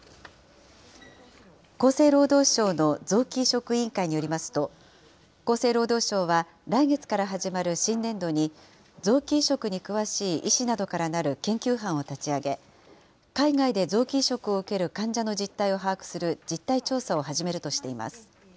厚生労働省の臓器移植委員会によりますと、厚生労働省は来月から始まる新年度に、臓器移植に詳しい医師などからなる研究班を立ち上げ、海外で臓器移植を受ける患者の実態を把握する実態調査を始めるとしています。